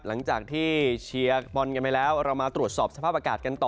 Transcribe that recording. หลังจากที่เชียร์บอลกันไปแล้วเรามาตรวจสอบสภาพอากาศกันต่อ